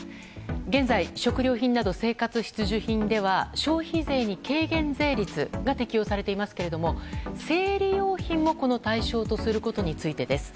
現在、食料品など生活必需品では消費税に軽減税率が適用されていますけれども生理用品もこの対象とすることについてです。